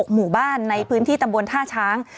หมู่บ้านในพื้นที่ตำบลท่าช้าง